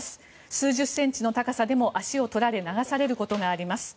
数十ｃｍの高さでも足を取られ流されることがあります。